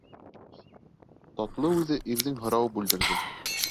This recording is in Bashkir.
Татлы уйҙы ирҙең һорауы бүлдерҙе: